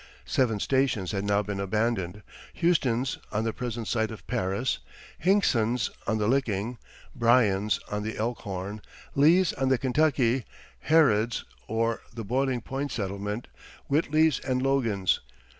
] Seven stations had now been abandoned Huston's, on the present site of Paris; Hinkson's, on the Licking; Bryan's, on the Elkhorn; Lee's, on the Kentucky; Harrod's, or the Boiling Spring settlement; Whitley's, and Logan's.